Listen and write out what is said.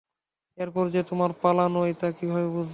এরপর যে তোমার পালা নয় তা কিভাবে বুঝবে?